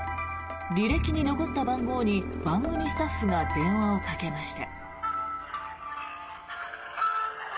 履歴に残った番号に番組スタッフが電話をかけました。